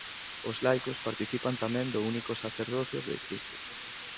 Os laicos participan tamén do único sacerdocio de Cristo.